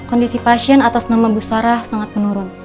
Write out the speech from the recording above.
kondisi pasien atas nama bu sarah sangat menurun